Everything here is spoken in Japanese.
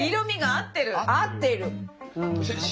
合ってる！